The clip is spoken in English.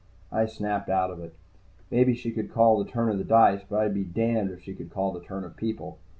I snapped out of it. Maybe she could call the turn of dice. But I'd be damned if she could call the turn of people.